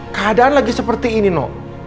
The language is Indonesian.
keadaan lagi seperti ini no